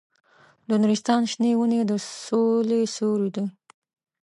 د نورستان شنې ونې د سولې سیوري دي.